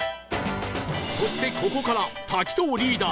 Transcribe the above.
そしてここから滝藤リーダー